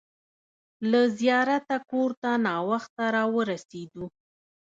له زیارته کور ته ناوخته راورسېدو.